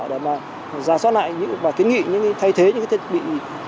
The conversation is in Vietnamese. để mà giả soát lại và kiến nghị những thay thế những cái thiết bị